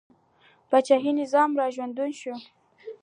پاچاهي نظام را ژوندی شو.